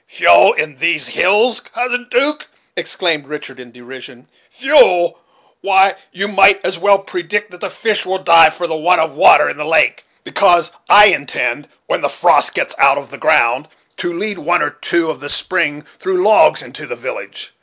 "Fuel in these hills, Cousin 'Duke!" exclaimed Richard, in derision "fuel! why, you might as well predict that the fish will die for the want of water in the lake, because I intend, when the frost gets out of the ground, to lead one or two of the spring; through logs, into the village.